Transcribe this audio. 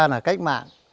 cho nên là cách mạng